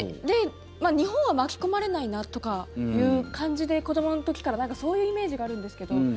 で、日本は巻き込まれないなとかいう感じで子どもの時からそういうイメージがあるんですけど。